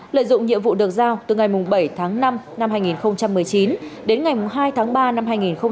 lợi dụng nhiệm vụ được giao từ ngày bảy tháng năm năm hai nghìn một mươi chín đến ngày hai tháng ba năm hai nghìn hai mươi